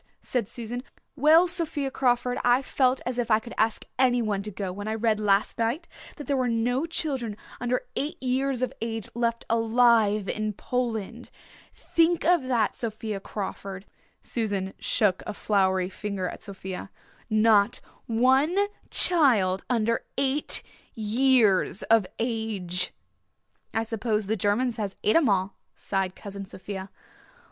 said Susan. "Well, Sophia Crawford, I felt as if I could ask anyone to go when I read last night that there were no children under eight years of age left alive in Poland. Think of that, Sophia Crawford" Susan shook a floury finger at Sophia "not one child under eight years of age!" "I suppose the Germans has et 'em all," sighed Cousin Sophia.